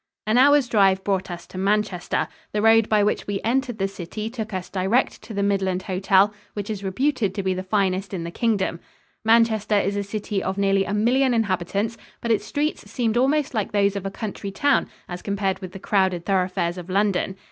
An hour's drive brought us to Manchester. The road by which we entered the city took us direct to the Midland Hotel, which is reputed to be the finest in the Kingdom. Manchester is a city of nearly a million inhabitants, but its streets seemed almost like those of a country town as compared with the crowded thoroughfares of London.